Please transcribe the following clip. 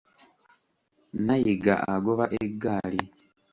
Nnayiga agoba eggaali.